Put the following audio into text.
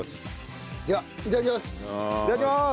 ではいただきます！